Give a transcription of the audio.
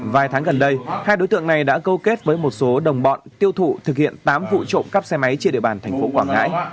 vài tháng gần đây hai đối tượng này đã câu kết với một số đồng bọn tiêu thụ thực hiện tám vụ trộm cắp xe máy trên địa bàn thành phố quảng ngãi